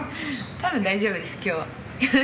たぶん大丈夫です、きょうは。